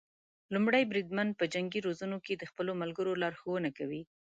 لومړی بریدمن په جنګي روزنو کې د خپلو ملګرو لارښونه کوي.